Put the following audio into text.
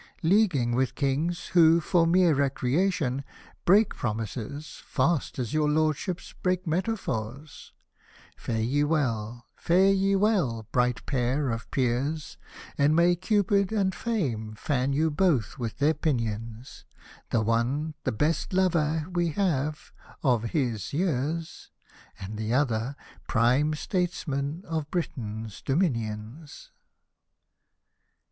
Leaguing with Kings, who, for mere recreation. Break promises, fast as your Lordship breaks metaphors. Hosted by Google TO SIR HUDSON LOWE 199 Fare ye well, fare ye well, bright Pair of Peers, And may Cupid and Fame fan you both with their pinions ! The one, the best lover we have — of his years ^ And the other, Prime Statesman of Britain's dominions.